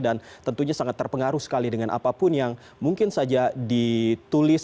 tentunya sangat terpengaruh sekali dengan apapun yang mungkin saja ditulis